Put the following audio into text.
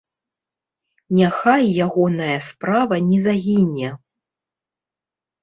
Няхай ягоная справа не загіне.